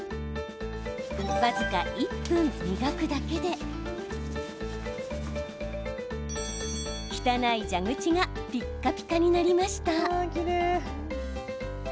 僅か１分、磨くだけで汚い蛇口がピッカピカになりました。